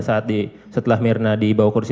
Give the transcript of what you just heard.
saat setelah mirna dibawa kursi